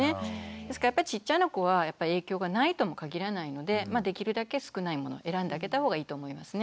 ですからちっちゃな子は影響がないとも限らないのでできるだけ少ないものを選んであげた方がいいと思いますね。